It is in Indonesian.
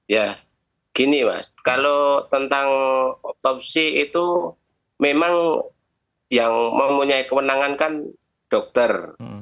ya gini mas kalau tentang otopsi itu memang yang mempunyai kewenangan kan dokter